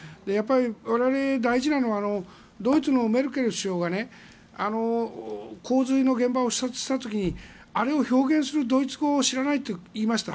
我々、大事なのはドイツのメルケル首相が洪水の現場を視察した時にあれを表現するドイツ語を知らないって言いました。